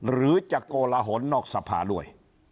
หรือจะโกลหนนอกสภาด้วย